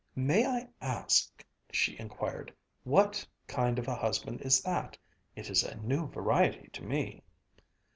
"May I ask," she inquired, "what kind of a husband is that? It is a new variety to me."